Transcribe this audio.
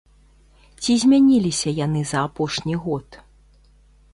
Ці змяніліся яны за апошні год?